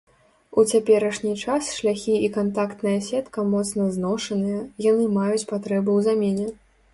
У цяперашні час шляхі і кантактная сетка моцна зношаныя, яны маюць патрэбу ў замене.